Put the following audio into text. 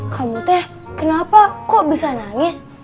kamu teh kenapa kok bisa nangis